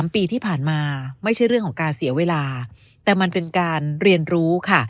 ปีที่ผ่านมาไม่ใช่เรื่องของการเสียเวลาแต่มันเป็นการเรียนรู้ค่ะ